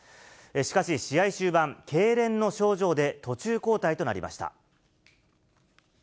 しかし、試合終盤、けいれんの症状で途中交代となりました。